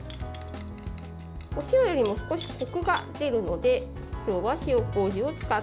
お塩よりも少しこくが出るので今日は塩こうじを使っています。